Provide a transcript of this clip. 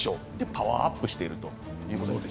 パワーアップしているということです。